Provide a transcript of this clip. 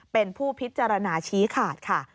เป็นผู้พิจารณาชี้ขาดค่ะ